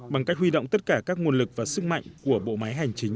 hàn quốc đã quy động tất cả các nguồn lực và sức mạnh của bộ máy hành chính